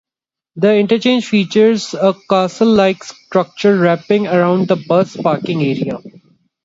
The interchange features a castle-like structure wrapping around the bus parking area.